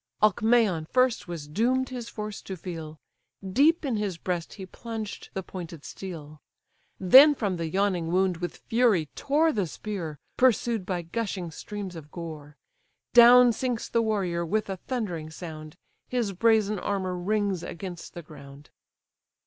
Alcmaon first was doom'd his force to feel; Deep in his breast he plunged the pointed steel; Then from the yawning wound with fury tore The spear, pursued by gushing streams of gore: Down sinks the warrior with a thundering sound, His brazen armour rings against the ground.